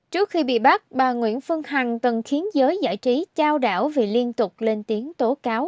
trước khi bị bắt bà nguyễn phương hằng từng khiến giới giải trí trao đảo vì liên tục lên tiếng tố cáo